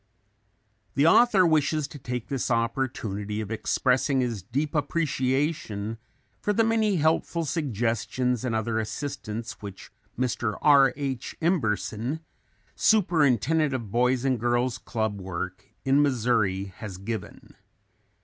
The author wishes to take this opportunity of expressing his deep appreciation for the many helpful suggestions and other assistance which Mr. R. H. Emberson, superintendent of Boys and Girls Club Work in Missouri, has given.